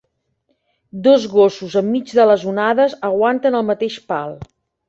Dos gossos enmig de les onades aguanten el mateix pal.